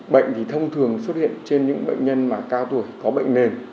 bệnh thông thường xuất hiện trên những bệnh nhân cao tuổi có bệnh nền